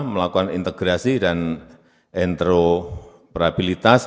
melakukan integrasi dan introperabilitas